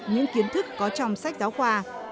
những kiến thức có trong sách giáo khoa